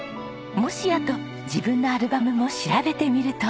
もしやと自分のアルバムも調べてみると。